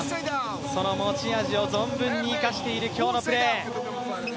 その持ち味を存分に生かしている今日のプレー。